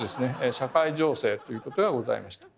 社会情勢ということがございました。